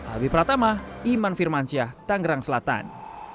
albi pratama iman firmansyah tangerang selatan